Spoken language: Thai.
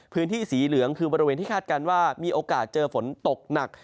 พื้นที่สีเหลืองคือบริเวณที่คาดการณ์ว่ามีโอกาสเจอฝนตกหนัก